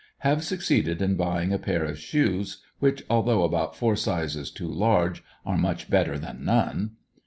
Have succeeded in buying a pair of shoes, which, although about four sizes too large, are much better than none.